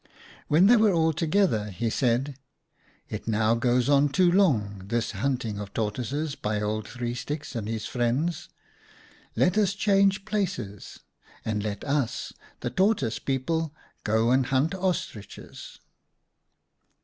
When they were all together he said, ' It now goes on too long, this hunting of the Tortoises by Old Three Sticks and his friends. Let us change places and let us, the Tortoise people, go and hunt Ostriches.'